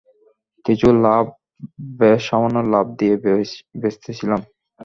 কিছু লাভ, ব্যস সামান্য লাভ দিয়ে বেচতেছিলাম।